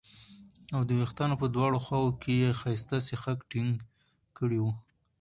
او د وېښتانو په دواړو خواوو کې یې ښایسته سیخک ټینګ کړي وو